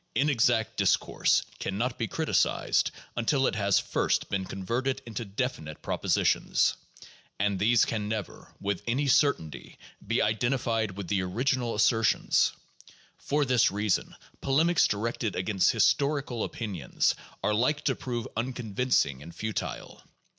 Inexact discourse can not be criticized until it has first been converted into definite propositions ; and these can never, with any certainty, be identified with the original asser tions. For this reason polemics directed against historical opinions are like to prove unconvincing and futile.